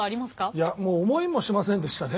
いやもう思いもしませんでしたね。